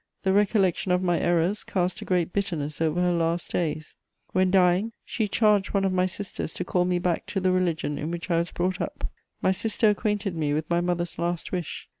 The recollection of my errors cast a great bitterness over her last days; when dying, she charged one of my sisters to call me back to the religion in which I was brought up. My sister acquainted me with my mother's last wish.